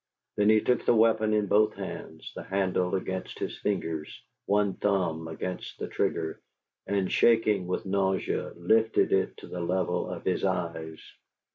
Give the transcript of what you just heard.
Then he took the weapon in both hands, the handle against his fingers, one thumb against the trigger, and, shaking with nausea, lifted it to the level of his eyes.